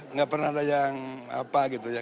nggak pernah ada yang apa gitu ya